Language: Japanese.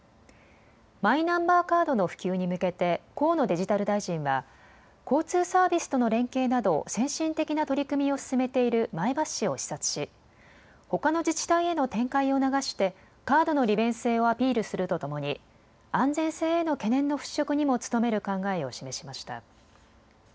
マイナンバーカードの普及に向けて河野デジタル大臣は交通サービスとの連携など先進的な取り組みを進めている前橋市を視察し、ほかの自治体への展開を促してカードの利便性をアピールするとともに安全性への懸念の払拭にも努める考えを示しました。